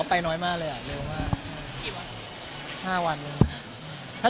ายังกล้ายหรอว่ามั้ยครับ